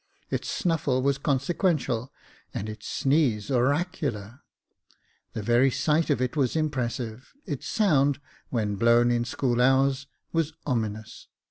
Its snuffle was consequential, and its sneeze oracular. The very sight of it was impressive ; its sound, when blown in school hours, was ominous.